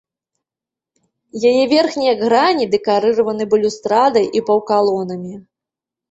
Яе верхнія грані дэкарыраваны балюстрадай і паўкалонамі.